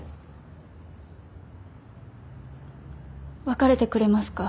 別れてくれますか？